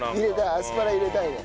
アスパラ入れたいね。